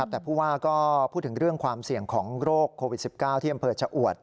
แต่ผู้ว่าก็พูดถึงเรื่องความเสี่ยงของโรคโควิด๑๙ที่อำเภอชะอวด